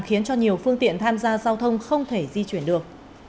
khiến cho nhiều phương tiện tham gia giao thông không thể di chuyển được